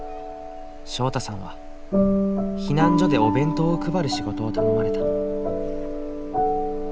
昇汰さんは避難所でお弁当を配る仕事を頼まれた。